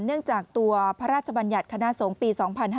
เนื่องจากตัวพระราชบัญญัติคณะสงฆ์ปี๒๕๕๙